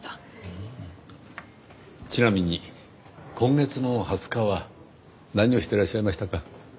ちなみに今月の２０日は何をしてらっしゃいましたか？